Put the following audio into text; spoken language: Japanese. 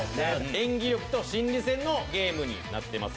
演技力と心理戦のゲームになっております。